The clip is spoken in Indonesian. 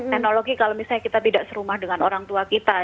teknologi kalau misalnya kita tidak serumah dengan orang tua kita